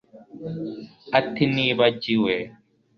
Ati Nibagiwe